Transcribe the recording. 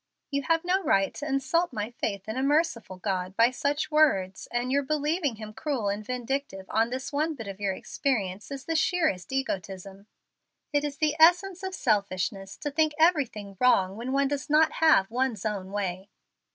"You have no right to insult my faith in a merciful God by such words, and your believing Him cruel and vindictive on this one bit of your experience is the sheerest egotism. It is the essence of selfishness to think everything wrong when one does not have one's own way."